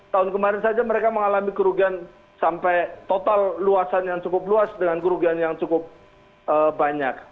tahun kemarin saja mereka mengalami kerugian sampai total luasan yang cukup luas dengan kerugian yang cukup banyak